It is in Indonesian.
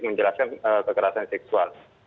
menjelaskan kekerasan seksual